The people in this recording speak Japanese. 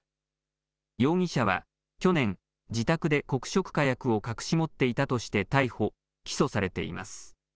容疑者は去年、自宅で黒色火薬を隠し持っていたとして逮捕・起訴されています。